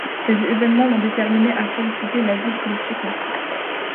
Ces événements l’ont déterminée à solliciter l’asile politique en France.